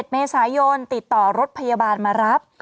๑เมษายนติดต่อรถพยาบาลมารับ